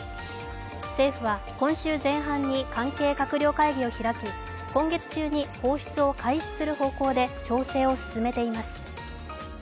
政府は今週前半に関係閣僚会議を開き今月中に放出を開始する方向で調整を進めています。